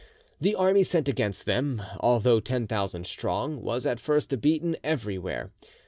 The army sent against them, although ten thousand strong, was at first beaten everywhere.